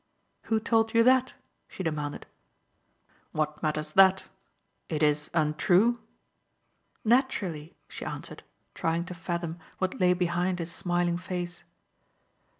"Who told you that?" she demanded. "What matters that? It is untrue?" "Naturally," she answered, trying to fathom what lay behind his smiling face.